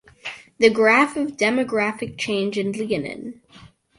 The graph of demographic change in Leonin.